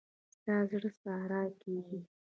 ستا زړه ساړه کېږي.